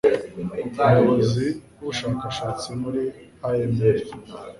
Umuyobozi w'ubushakashatsi muri IMF,